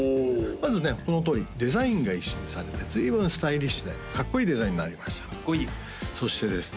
まずねこのとおりデザインが一新されて随分スタイリッシュでかっこいいデザインになりましたそしてですね